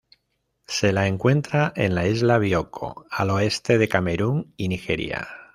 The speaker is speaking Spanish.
Se la encuentra en la isla Bioko, el oeste de Camerún y Nigeria.